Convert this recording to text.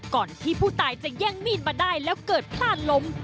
ก่อนที่ผู้ตายจะแย่งมีดมาได้แล้วเกิดพลาดล้ม